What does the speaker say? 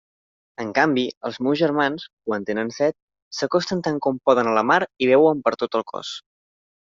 En canvi, els meus germans, quan tenen set, s'acosten tant com poden a la mar i beuen per tot el cos.